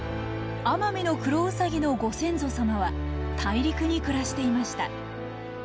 アマミノクロウサギのご先祖様は大陸に暮らしていました。